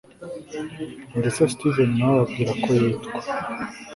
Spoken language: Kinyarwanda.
ndetse steven nawe ababwira ko yitwa